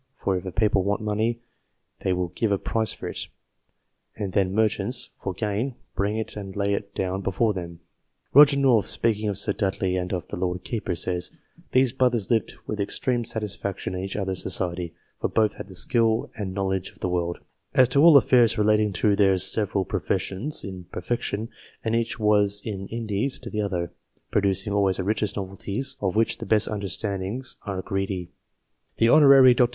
... For if a people want money, they will give a price for it ; and then merchants, for gain, bring it and lay it down before them." Koger North, speaking of Sir Dudley and of the Lord Keeper, says :" These brothers lived with extreme satis faction in each other's society ; for both had the skill and knowledge of the world, as to all affairs relating to their several professions, in perfection, and each was an Indies to the other, producing always the richest novelties, of which the best understandings are greedy." The Hon. Dr.